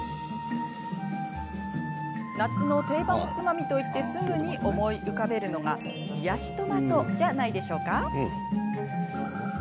夏の定番おつまみといってすぐに思い浮かべるのが冷やしトマトじゃないでしょうか。